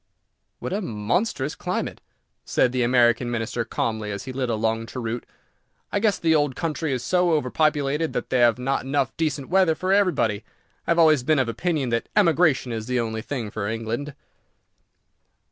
"What a monstrous climate!" said the American Minister, calmly, as he lit a long cheroot. "I guess the old country is so overpopulated that they have not enough decent weather for everybody. I have always been of opinion that emigration is the only thing for England."